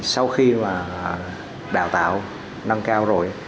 sau khi mà đào tạo nâng cao rồi